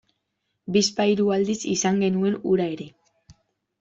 Bizpahiru aldiz izan genuen hura ere.